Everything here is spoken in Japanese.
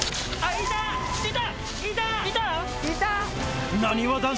いた。